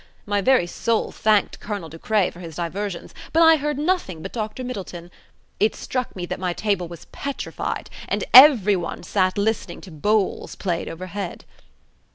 My very soul thanked Colonel De Craye for his diversions, but I heard nothing but Dr. Middleton. It struck me that my table was petrified, and every one sat listening to bowls played overhead."